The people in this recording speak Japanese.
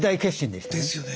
ですよね。